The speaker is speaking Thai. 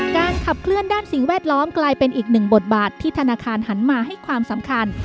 การขับเคลื่อนด้านสิ่งแวดล้อมกลายเป็นอีกหนึ่งบทบาทที่ธนาคารหันมาให้ความสำคัญ